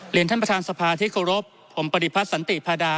ท่านประธานสภาที่เคารพผมปฏิพัฒน์สันติพาดา